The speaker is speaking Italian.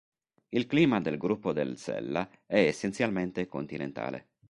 Il clima del Gruppo del Sella è essenzialmente continentale.